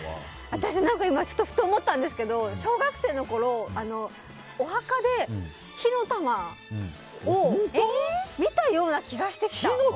私、ふと思ったんですけど小学生のころお墓で火の玉を見たような気がしてきた。